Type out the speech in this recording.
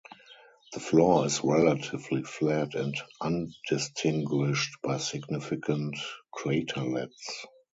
The floor is relatively flat and undistinguished by significant craterlets.